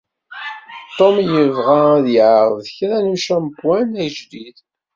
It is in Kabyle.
Tom yebɣa ad yeεreḍ kra n ucampwan ajdid.